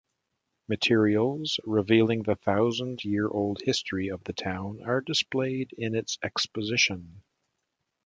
Materials, revealing the thousand-year old history of the town are displayed in its exposition.